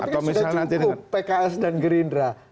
tapi kan sudah cukup pks dan gerindra